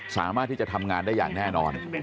สามารถที่จะทำงานได้อย่างแน่นอน